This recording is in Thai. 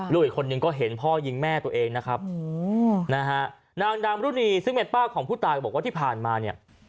ลูกอีกคนนึงก็เห็นพ่อยิงแม่ตัวเองนะครับนางดามรุณีซึ่งเป็นป้าของผู้ตายก็บอกว่าที่ผ่านมาเนี่ย